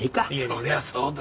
そりゃそうだ。